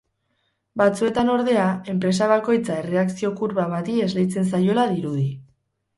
Batzuetan ordea, enpresa bakoitza erreakzio-kurba bati esleitzen zaiola dirudi.